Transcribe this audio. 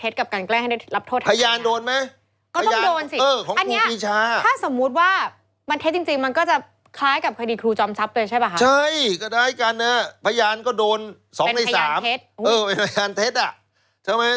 แจ้งความเท็จกับกันแกล้งให้ได้รับโทษทางอาญา